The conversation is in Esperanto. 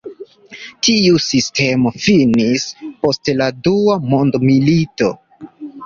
Tiu sistemo finis post la Dua Mondmilito.